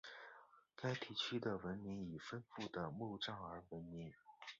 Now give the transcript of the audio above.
该地区的文明以丰富的墓葬而闻名。